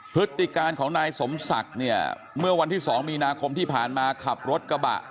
พฤติการของนายสมศักดิ์เนี่ยเมื่อวันที่๒มีนาคมที่ผ่านมาขับรถกระบะ